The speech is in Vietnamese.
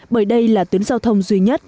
bởi đây là tuyến giao thông duy nhất